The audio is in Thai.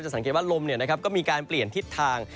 จะสังเกตว่าลมเนี่ยนะครับก็มีการเปลี่ยนทิศทาง